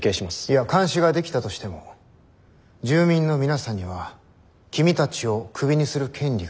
いや監視ができたとしても住民の皆さんには君たちをクビにする権利がないんです。